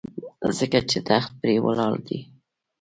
ځکه چې تخت پرې ولاړ دی.